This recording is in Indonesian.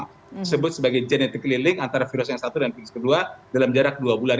disebut sebagai genetic link antara virus yang satu dan virus kedua dalam jarak dua bulan